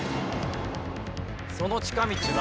「その近道は」。